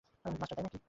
Master, তাই নাকি?